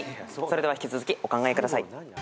それでは引き続きお考えください。